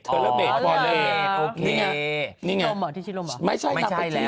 ที่ชิดลมหรอ